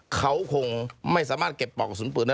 เขาคงไม่สามารถเก็บปอกกระสุนปืนได้